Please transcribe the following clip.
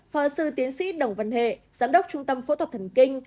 phó sư tiến sĩ đồng văn hệ giám đốc trung tâm phẫu thuật thần kinh